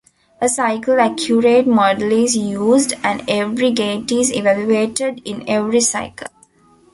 A cycle-accurate model is used, and every gate is evaluated in every cycle.